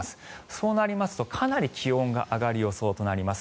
そうなりますとかなり気温が上がる予想となります。